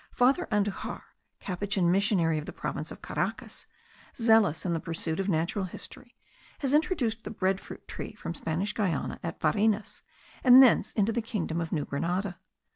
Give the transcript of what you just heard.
Father Andujar, Capuchin missionary of the province of Caracas, zealous in the pursuit of natural history, has introduced the bread fruit tree from Spanish Guiana at Varinas, and thence into the kingdom of New Grenada.